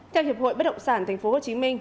theo hiệp hội bất động sản tp hcm